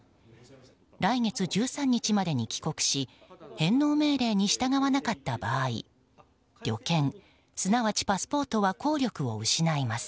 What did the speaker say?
来月１３日までに帰国し返納命令に従わなかった場合旅券すなわちパスポートは効力を失います。